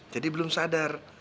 jadi belum sadar